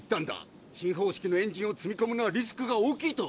新方式のエンジンを積みこむのはリスクが大きいと。